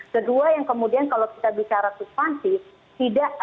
kedua yang kemudian kalau kita bicara substansi